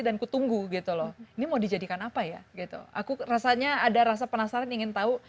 dan ku tunggu gitu loh ini mau dijadikan apa ya gitu aku rasanya ada rasa penasaran ingin tahu